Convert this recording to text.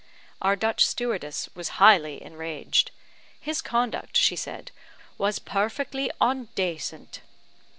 Our Dutch stewardess was highly enraged. His conduct, she said, "was perfectly ondacent."